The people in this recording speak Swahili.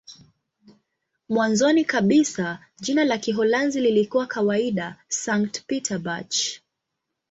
Mwanzoni kabisa jina la Kiholanzi lilikuwa kawaida "Sankt-Pieterburch".